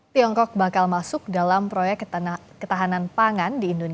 tiongkok bakal masuk dalam proyek ketahanan pangan